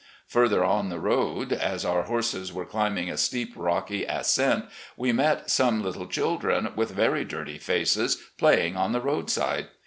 Further on the road, as our horses were climbing a steep rocky ascent, we met some Uttle children, with very dirty faces, playing on the roadside.